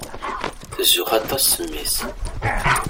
Tzuxx aṭas s mmi-s.